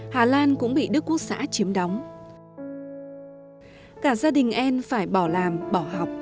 hà lan cũng bị đức quốc xã chiếm đóng cả gia đình anne phải bỏ làm bỏ học